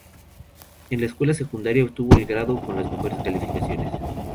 En la escuela secundaria, obtuvo el graduado con las mejores calificaciones.